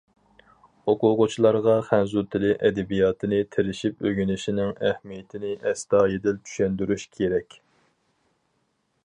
ئوقۇغۇچىلارغا خەنزۇ تىلى ئەدەبىياتىنى تىرىشىپ ئۆگىنىشنىڭ ئەھمىيىتىنى ئەستايىدىل چۈشەندۈرۈش كېرەك.